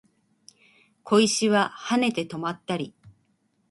小石は跳ねて止まったり